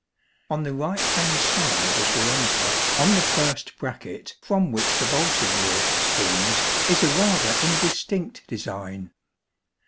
On the right hand side as we enter, on the first bracket from which the vaulting rib springs, is a rather indistinct design.